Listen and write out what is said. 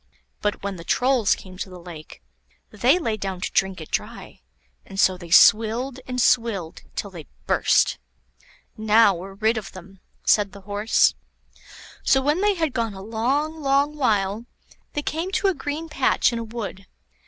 But when the Trolls came to the lake, they lay down to drink it dry; and so they swilled and swilled till they burst. "Now we're rid of them," said the Horse. So when they had gone a long, long while, they came to a green patch in a wood.